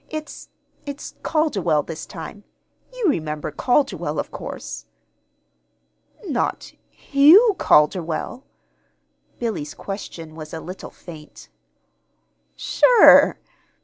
It's it's Calderwell, this time. You remember Calderwell, of course." "Not Hugh Calderwell?" Billy's question was a little faint. "Sure!"